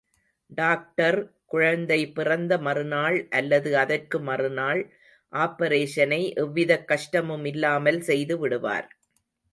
Doctor குழந்தை பிறந்த மறுநாள் அல்லது அதற்கு மறுநாள் ஆப்பரேஷனை எவ்விதக் கஷ்டமுமில்லாமல் செய்துவிடுவார்.